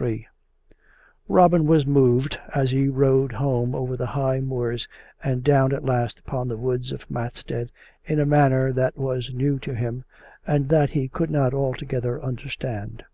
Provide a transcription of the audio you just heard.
Ill Robin was moved, as he rode home over the high moors, and down at last upon the woods of Matstead, in a manner that was new to him, and that he could not altogether under stand.